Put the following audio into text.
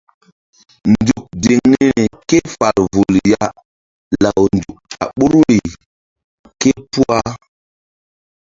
Nzuk ziŋ niri ke fal vul ya law nzuk a ɓoruri képuh a.